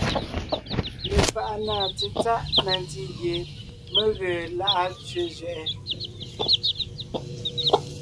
Lefaʼa na tsetsáʼ na ntí gie mé ge lá’a tsẅé zẅɛʼɛ: